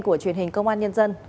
của truyền hình công an nhân dân